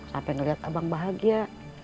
sampai ngeliat abang bahagia